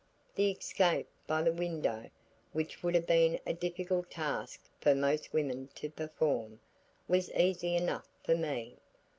The escape by the window which would have been a difficult task for most women to perform, was easy enough for me.